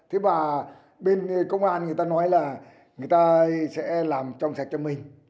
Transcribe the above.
thế và bên công an người ta nói là người ta sẽ làm trong sạch cho mình